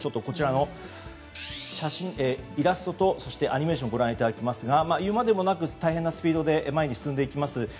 こちらのイラストとアニメーションをご覧いただきますが言うまでもなく大変なスピードで前に進んでいきます。